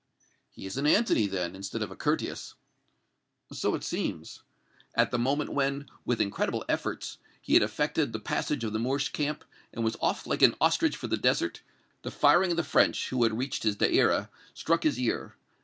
"He is an Antony, then, instead of a Curtius." "So it seems. At the moment when, with incredible efforts, he had effected the passage of the Moorish camp, and was off like an ostrich for the desert, the firing of the French, who had reached his deira, struck his ear.